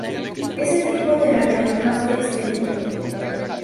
Es el tipo de radiador más extendido.